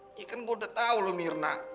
ini kan gue udah tahu lo mirna